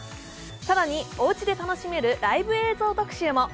更におうちで楽しめるライブ映像特集も。